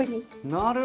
なるほど！